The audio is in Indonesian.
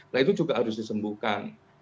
nah itu juga harus disembuhkan